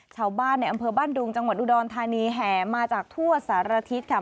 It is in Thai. ชาวบ้านในอำเภอบ้านดุงจังหวัดอุดรธานีแห่มาจากทั่วสารทิศค่ะ